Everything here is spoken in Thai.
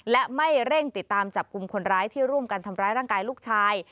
และไม่เร่งติดตามจับกลุ่มคนร้ายที่ร่วมกันทำร้ายร่างกายลูกชาย